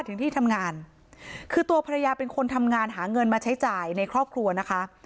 ถึงที่ทำงานคือตัวภรรยาเป็นคนทำงานหาเงินมาใช้จ่ายในครอบครัวนะคะ